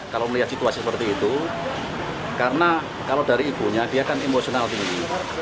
kalau dari ibunya dia kan emosional tinggi